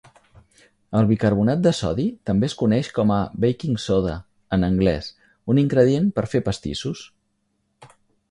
El bicarbonat de sodi també es coneix com a "baking soda" en anglès, un ingredient per fer pastissos.